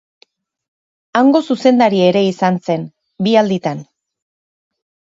Hango zuzendari ere izan zen, bi alditan.